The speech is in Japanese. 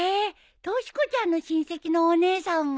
とし子ちゃんの親戚のお姉さんも？